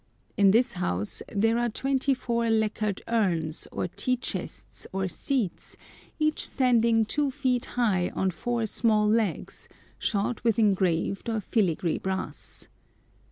In this house there are twenty four lacquered urns, or tea chests, or seats, each standing two feet high on four small legs, shod with engraved or filigree brass.